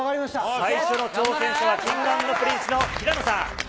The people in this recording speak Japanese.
最初の挑戦者はＫｉｎｇ＆Ｐｒｉｎｃｅの平野さん。